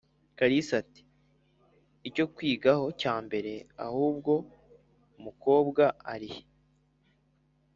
kalisa ati"icyo kwigaho cyambere ahuwo mukobwa arihe?"